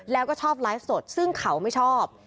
แล้วก็ชอบไลฟ์สดซึ่งเขาไม่ชอบ